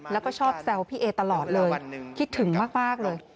แล้วก็ชอบแซวพี่เอตลอดเลยคิดถึงมากเลย